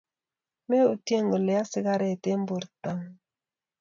meutye kole yaa sigaret eng porto ngung